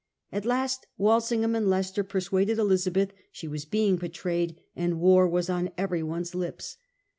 At last Walsingham and Leicester persuaded Elizabeth she was being betrayed, and war was on every one's lips.